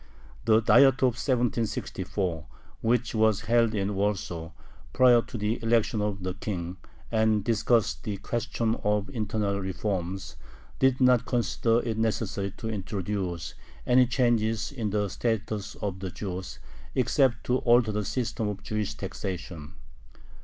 The Diet of 1764, which was held in Warsaw prior to the election of the King, and discussed the question of internal reforms, did not consider it necessary to introduce any changes in the status of the Jews, except to alter the system of Jewish taxation.